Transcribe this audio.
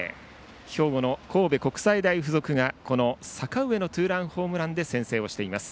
兵庫の神戸国際大付属が阪上のツーランホームランで先制をしています。